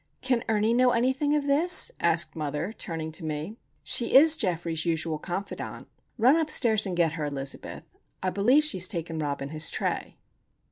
"Can Ernie know anything of this?" asked mother, turning to me. "She is Geoffrey's usual confidante. Run upstairs and get her, Elizabeth. I believe she has taken Robin his tray."